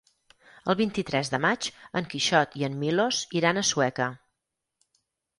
El vint-i-tres de maig en Quixot i en Milos iran a Sueca.